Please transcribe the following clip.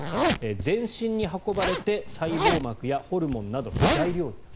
全身に運ばれて、細胞膜やホルモンなどの材料になる。